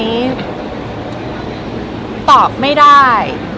มันนานมาก